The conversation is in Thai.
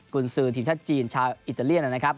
คุณซื้อทีมชาติจีนชาวอิตาเลียนนะครับ